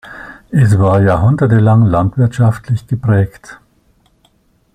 Es war jahrhundertelang landwirtschaftlich geprägt.